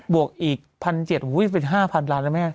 บวกอีกพันเจ็ดร้อยอุ้ยเป็นห้าพันล้านหรือไม่ฮะ